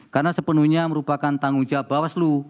karena sepenuhnya merupakan tanggung jawab mbak waslu